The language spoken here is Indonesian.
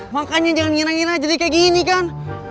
makanya jangan ngira ngira jadi kayak gini kan